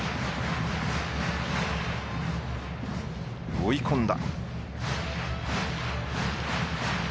追い込んだ。